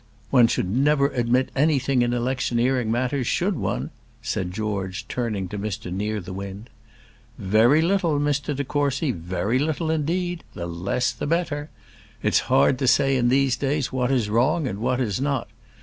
"One should never admit anything in electioneering matters, should one?" said George, turning to Mr Nearthewinde. "Very little, Mr de Courcy; very little indeed the less the better. It's hard to say in these days what is wrong and what is not.